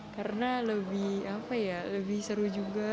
karena lebih seru juga